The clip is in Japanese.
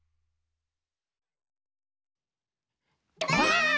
ばあっ！